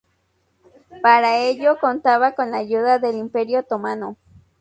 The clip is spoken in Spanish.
Para ello contaba con la ayuda del Imperio otomano.